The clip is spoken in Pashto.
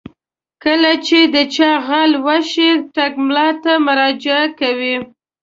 کله چې د چا غلا وشي ټګ ملا ته مراجعه کوي.